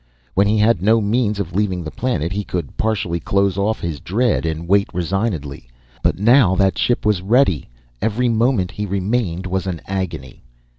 When he had no means of leaving the planet he could partially close off his dread and wait resignedly. But now that the ship was ready, every moment he remained was an agony.